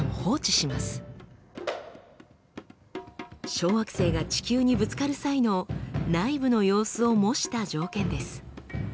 小惑星が地球にぶつかる際の内部の様子を模した条件です。